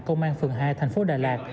công an phường hai tp đà lạt